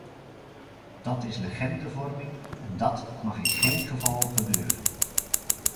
Dat is legendevorming en dat mag in geen geval gebeuren.